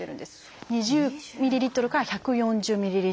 ２０ｍＬから１４０ｍＬ。